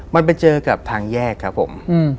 มันไปเจอกับทางแยกครับผม